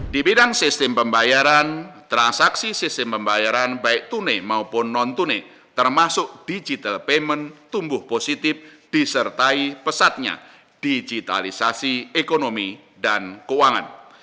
di bidang sistem pembayaran transaksi sistem pembayaran baik tunai maupun non tunai termasuk digital payment tumbuh positif disertai pesatnya digitalisasi ekonomi dan keuangan